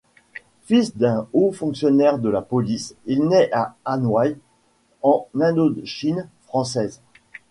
Fils d'un haut fonctionnaire de la police, il naît à Hanoï en Indochine française.